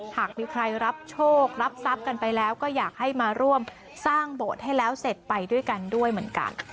หากมีใครรับโชครับทรัพย์กันไปแล้วก็อยากให้มาร่วมสร้างโบสถ์ให้แล้วเสร็จไปด้วยกันด้วยเหมือนกัน